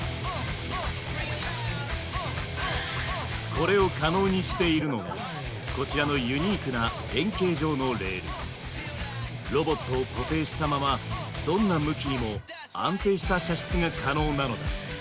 これを可能にしているのがこちらのユニークなロボットを固定したままどんな向きにも安定した射出が可能なのだ。